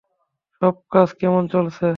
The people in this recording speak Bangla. সব কাজ কেমন চলছে?